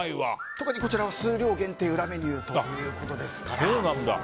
特にこちらは数量限定裏メニューということですから。